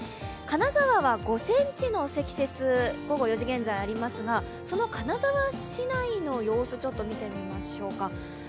金沢は５ｃｍの積雪、午後４時現在ありますがその金沢市内の様子、見てみましょうか。